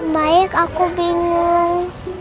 baik aku bingung